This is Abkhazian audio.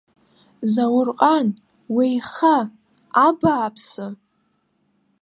Заурҟан, уеиха, абааԥсы!